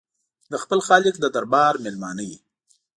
د خپل خالق د دربار مېلمانه وي.